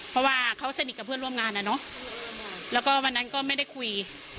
เพราะว่าเขาสนิทกับเพื่อนร่วมงานอ่ะเนอะแล้วก็วันนั้นก็ไม่ได้คุย